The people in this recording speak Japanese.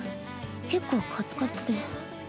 結構カツカツで。